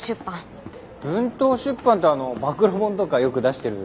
文東出版ってあの暴露本とかよく出してる？